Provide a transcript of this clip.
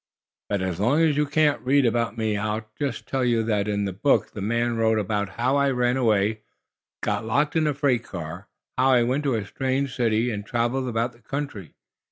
"But as long as you can't read about me I'll just tell you that in the book the man wrote about how I ran away, got locked in a freight car, how I went to a strange city and traveled about the country.